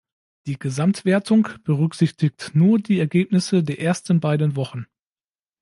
Die Gesamtwertung berücksichtigt nur die Ergebnisse der ersten beiden Wochen.